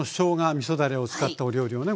みそだれを使ったお料理をね